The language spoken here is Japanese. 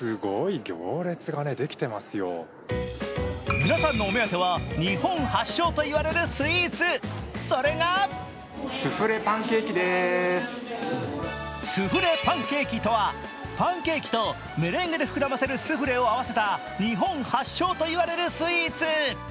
皆さんのお目当ては日本発祥といわれるスイーツ、それがスフレパンケーキとはパンケーキとメレンゲで膨らませるスフレを合わせた日本発祥と言われるスイーツ。